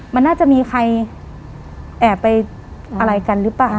มันน่าจะมีใครแอบไปอะไรกันหรือเปล่า